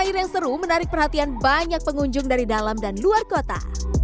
seteru menarik perhatian banyak pengunjung dari dalam dan luar kota